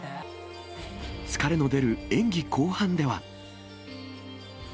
疲れの出る演技後半では。